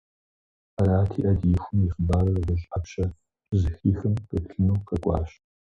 Арати, Ӏэдиихум и хъыбарыр ГъущӀ Ӏэпщэ щызэхихым, къеплъыну къэкӀуащ.